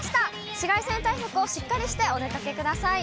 紫外線対策をしっかりしてお出かけください。